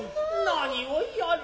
何を言やる。